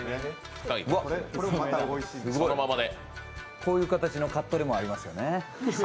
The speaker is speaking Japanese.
こういう形のカットレモンありますよね。